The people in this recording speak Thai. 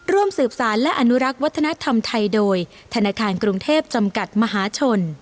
ร่วมสืบสารและอนุรักษ์วัฒนธรรมไทยโดยธนาคารกรุงเทพจำกัดมหาชน